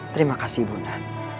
terima kasih ibunda